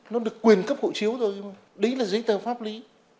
nó được quyền cấp hộ chiếu thôi đấy là giấy tờ pháp lý